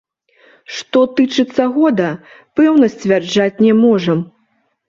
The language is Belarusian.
Што тычыцца года, пэўна сцвярджаць не можам.